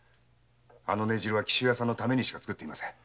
あの根汁は紀州屋さんのためにしか作っていません。